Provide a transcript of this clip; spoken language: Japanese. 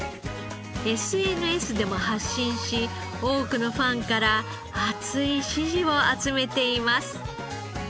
ＳＮＳでも発信し多くのファンから熱い支持を集めています。